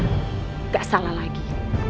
nggak salah lagi